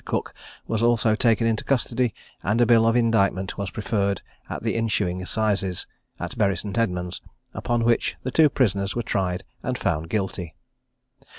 Cooke was also taken into custody, and a bill of indictment was preferred at the ensuing assizes, at Bury St. Edmunds, upon which the two prisoners were tried and found guilty.